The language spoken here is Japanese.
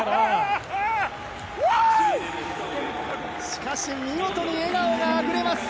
しかし見事に笑顔が溢れます。